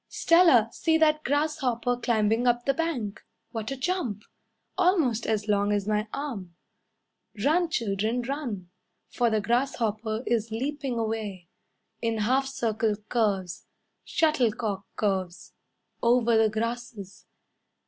"Stella, see that grasshopper Climbing up the bank! What a jump! Almost as long as my arm." Run, children, run. For the grasshopper is leaping away, In half circle curves, Shuttlecock curves, Over the grasses.